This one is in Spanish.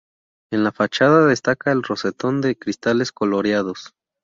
En la fachada destaca el rosetón de cristales coloreados.